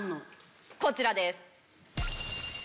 こちらです。